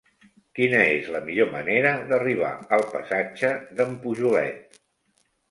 Quina és la millor manera d'arribar al passatge d'en Pujolet?